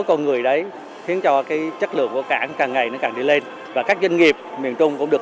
con người đấy khiến cho chất lượng của cảng càng ngày nó càng đi lên và các doanh nghiệp miền trung cũng được